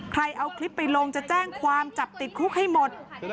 ใครเอาคลิปไปลงจะแจ้งความจับติดคุกให้หมด